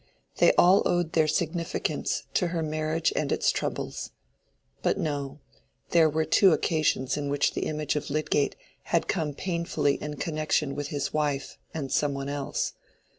They all owed their significance to her marriage and its troubles—but no; there were two occasions in which the image of Lydgate had come painfully in connection with his wife and some one else.